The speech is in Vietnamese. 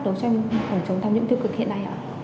đối chống tham nhũng tiêu cực hiện nay ạ